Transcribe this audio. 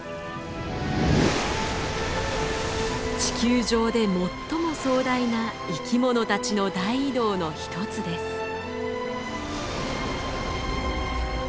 地球上で最も壮大な生き物たちの大移動の一つです。